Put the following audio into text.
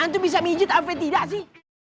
antum bisa mijit ave tidak sih